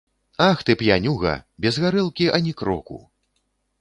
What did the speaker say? Ах ты, п'янюга, без гарэлкі ані кроку.